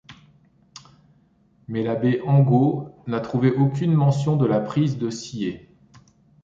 Mais l'abbé Angot n'a trouvé aucune mention de la prise de Sillé.